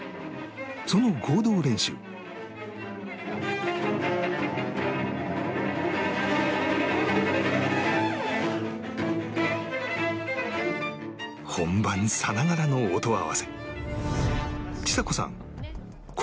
その合同練習本番さながらの音合わせちさ子さん